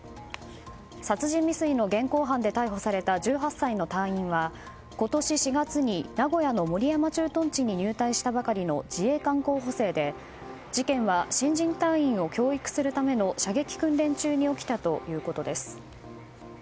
殺人未遂の現行犯で逮捕された１８歳の隊員は今年４月に名古屋の守山駐屯地に入隊したばかりの自衛官候補生で事件は新人隊員を教育するための射撃訓練中に起きたということです。